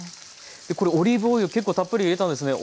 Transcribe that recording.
これオリーブオイル結構たっぷり入れたんですね